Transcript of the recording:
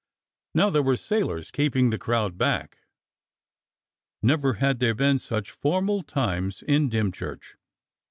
Now there were sailors keeping the crowd back; never had there been such formal times in Dymchurch.